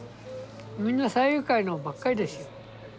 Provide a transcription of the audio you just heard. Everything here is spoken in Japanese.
みんな山友会のばっかりですよ。